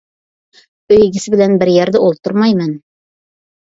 ئۆي ئىگىسى بىلەن بىر يەردە ئولتۇرمايمەن.